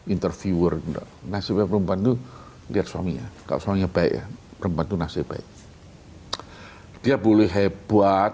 interviewer nasibnya perempuan tuh lihat suaminya kau soalnya baik rempat nasib baik dia boleh hebat